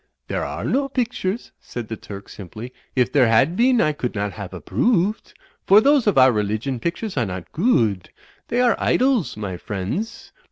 "There are no pictures," said the Turk, simply, "if there had been I could not haf approo ooved. For those of our Religion pictures are not goo ood; they are Idols, my friendss.